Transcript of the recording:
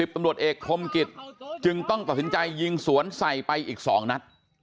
ตำรวจเอกพรมกิจจึงต้องตัดสินใจยิงสวนใส่ไปอีก๒นัด